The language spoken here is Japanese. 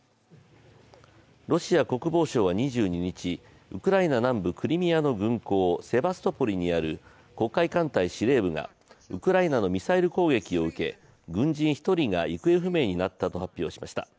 ロシア国防省は２２日ウクライナ南部クリミアの軍港セバストポリにある黒海艦隊司令部がウクライナのミサイル攻撃を受け軍人１人が行方不明となったと発表しました。